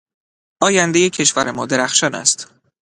آیندهی کشور ما درخشان است.